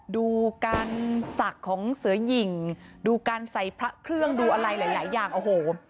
ดูการศักดิ์ของเสือหญิงดูการใส่พระเครื่องดูอะไรหลายอย่างโอ้โห